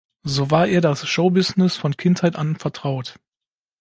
So war ihr das Showbusiness von Kindheit an vertraut.